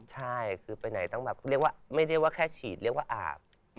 ใช่คือไปไหนต้องแบบไม่เรียกว่าแค่ฉีดเรียกว่าอาบ